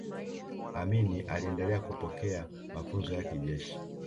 amini aliendelea kupokea mafunzo ya kijeshi